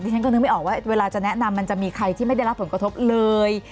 ฉันก็นึกไม่ออกว่าเวลาจะแนะนำมันจะมีใครที่ไม่ได้รับผลกระทบเลย